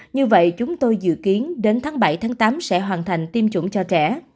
như vậy chúng tôi dự kiến đến tháng bảy tám sẽ hoàn thành tiêm chủng cho trẻ